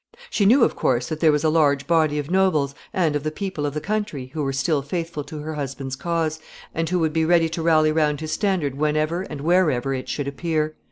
She knew, of course, that there was a large body of nobles, and of the people of the country, who were still faithful to her husband's cause, and who would be ready to rally round his standard whenever and wherever it should appear.